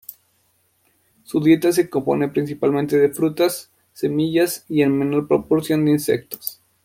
Su dieta se compone principalmente de frutas, semillas y en menor proporción de insectos.